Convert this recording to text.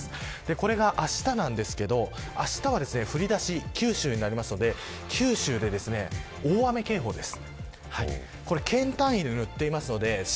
これが、あしたなんですがあしたは降りだし九州になりますので九州で大雨警報です。